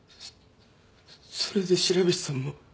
それで白菱さんも？